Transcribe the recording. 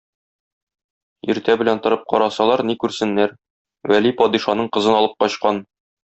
Иртә белән торып карасалар, ни күрсеннәр: Вәли падишаның кызын алып качкан.